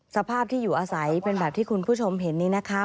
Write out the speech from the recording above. สภาพที่อยู่อาศัยเป็นแบบที่คุณผู้ชมเห็นนี้นะคะ